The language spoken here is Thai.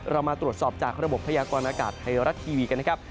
เรามาตรวจสอบจากระบบพยากรณากาศไทยรัฐทีวีกันนะครับ